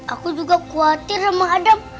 aku juga khawatir sama adab